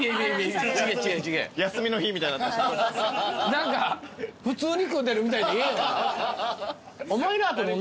何か普通に食うてるみたいでええよな。